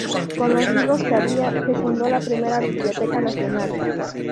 Con los libros que había, se fundó la primera Biblioteca Nacional.